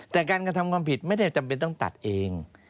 แต่การกระทำความผิดไม่ได้จำเป็นต้องตัดเอง